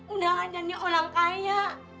udah ada nih orang kaya